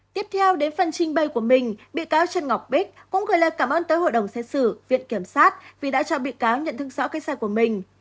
tiếp theo đến phần trình bày của mình bị cáo trần ngọc bích cũng gửi lời cảm ơn tới hội đồng xét xử viện kiểm sát vì đã cho bị cáo nhận thức rõ cái sai của mình